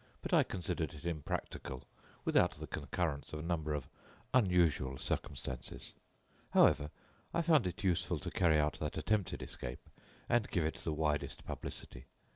But I considered it impractical without the concurrence of a number of unusual circumstances. However, I found it useful to carry out that attempted escape and give it the widest publicity.